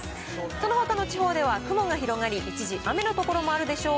そのほかの地方では雲が広がり、一時雨の所もあるでしょう。